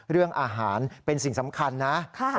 เรื่องอาหารเป็นสิ่งสำคัญนะ